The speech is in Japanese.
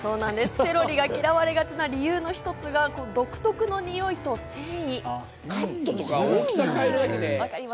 セロリが嫌われがちな理由が、この独特のにおいと繊維。